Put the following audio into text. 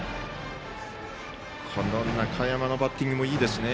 この中山のバッティングもいいですね。